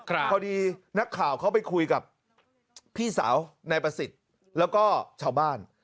พอดีนักข่าวเขาไปคุยกับพี่สาวนายประสิทธิ์แล้วก็ชาวบ้าน